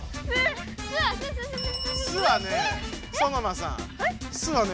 「す」はねソノマさん「す」はね